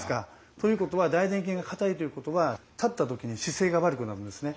ということは大臀筋が硬いということは立った時に姿勢が悪くなるんですね。